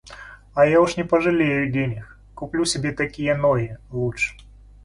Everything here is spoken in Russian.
А я уж не пожалею денег: куплю себе такие ноги, лучше.